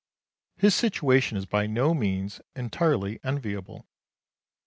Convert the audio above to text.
His situation is by no means entirely enviable.